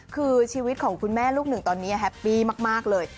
คือชีวิตของคุณแม่ลูกหนึ่งตอนนี้แฮปปี้มากเลย